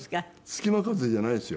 隙間風じゃないですよ。